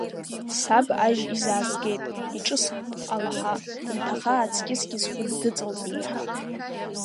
Саб ажь изаазгеит, иҿысхт алаҳа, дынҭаха аҵкьысгьы сгәы дыҵалт иеиҳа.